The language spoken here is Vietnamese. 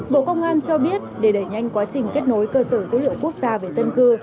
bộ công an cho biết để đẩy nhanh quá trình kết nối cơ sở dữ liệu quốc gia về dân cư